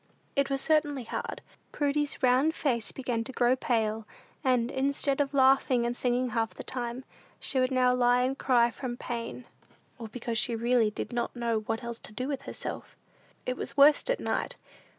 It was certainly hard. Prudy's round rosy face began to grow pale; and, instead of laughing and singing half the time, she would now lie and cry from pain, or because she really did not know what else to do with herself. It was worst at night.